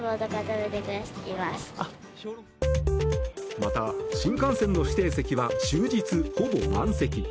また、新幹線の指定席は終日ほぼ満席。